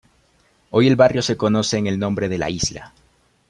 Hoy el barrio se conoce en el nombre de La Isla.